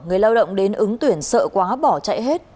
người lao động đến ứng tuyển sợ quá bỏ chạy hết